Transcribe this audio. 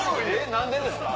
何でですか？